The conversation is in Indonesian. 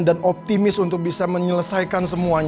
dan optimis untuk bisa menyelesaikan semua ini